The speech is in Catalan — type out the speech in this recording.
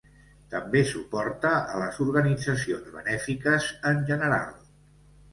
També suporta a les organitzacions benèfiques en general.